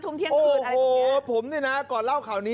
เจอพี่เด็กแว้น